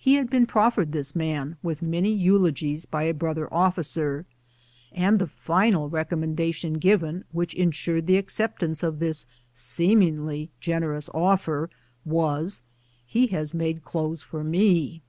He had been proffered this man with many eulogies by a broth er officer, and the final recommendation given which insured the acceptance of this seemingly generous offer was, "He has made clothes for m^."